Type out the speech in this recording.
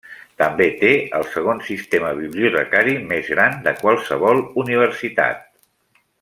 També té el segon sistema bibliotecari més gran de qualsevol universitat.